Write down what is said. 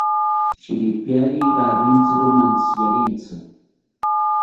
Shiripiari rawintziro mantziarentsi